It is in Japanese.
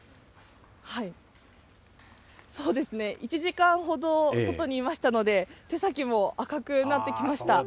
そうですね、１時間ほど外にいましたので、手先も赤くなってきました。